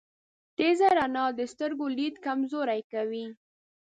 تیزه رڼا د سترګو لید کمزوری کوی.